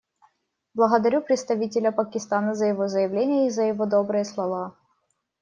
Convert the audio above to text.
Благодарю представителя Пакистана за его заявление и за его добрые слова.